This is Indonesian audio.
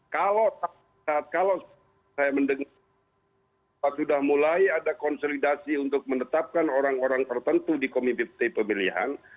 kalau saya mendengar sudah mulai ada konsolidasi untuk menetapkan orang orang tertentu di komite pemilihan